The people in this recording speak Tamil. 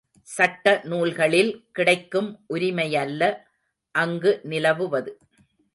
சட்ட நூல்களில் கிடக்கும் உரிமையல்ல, அங்கு நிலவுவது.